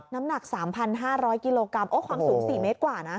น้ำหนัก๓๕๐๐กิโลกรัมความสูง๔เมตรกว่านะ